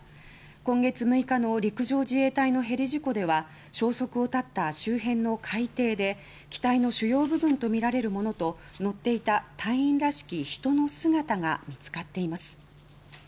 今月６日の陸上自衛隊のヘリ事故では消息を絶った周辺の海底で機体の主要部分とみられるものと乗っていた隊員らしき人の姿が見つかっています。